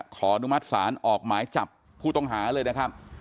ขออนุมัติศาลออกหมายจับผู้ต้องหาเลยนะครับ